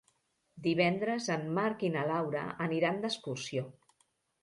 Divendres en Marc i na Laura aniran d'excursió.